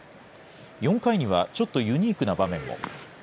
４回にはちょっとユニークな場面も。